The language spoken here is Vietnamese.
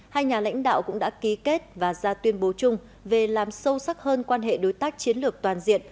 hai nhà lãnh đạo cũng đã ký kết và ra tuyên bố chung về làm sâu sắc hơn quan hệ đối tác chiến lược toàn diện